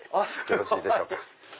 よろしいでしょうか。